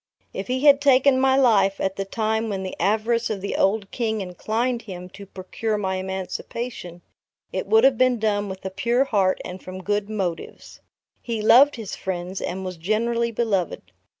If he had taken my life at the time when the avarice of the old King inclined him to procure my emancipation, it would have been done with a pure heart and from good motives. He loved his friends; and was generally beloved.